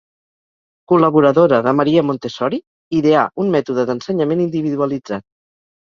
Col·laboradora de Maria Montessori, ideà un mètode d'ensenyament individualitzat.